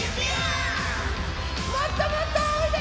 もっともっとあおいで！